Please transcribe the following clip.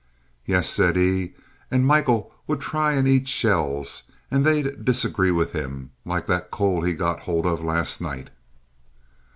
"Yes," said E , "and Michael would try and eat shells, and they'd disagree with him, like that coal he got hold of last night."